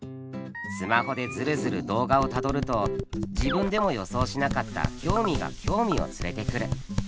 スマホでヅルヅル動画をたどると自分でも予想しなかった興味が興味を連れてくる。